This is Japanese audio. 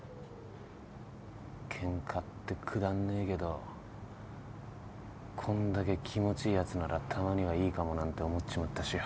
ケンカってくだんねえけどこんだけ気持ちいいやつならたまにはいいかもなんて思っちまったしよ。